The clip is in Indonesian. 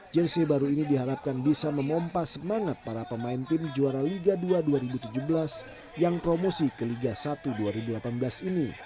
jersey baru ini diharapkan bisa memompas semangat para pemain tim juara liga dua dua ribu tujuh belas yang promosi ke liga satu dua ribu delapan belas ini